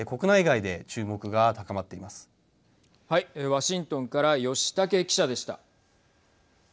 ワシントンから吉武記者でした。